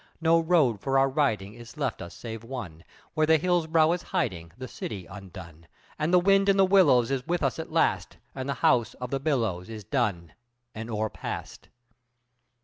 No road for our riding is left us save one, Where the hills' brow is hiding the city undone, And the wind in the willows is with us at last, And the house of the billows is done and o'er past.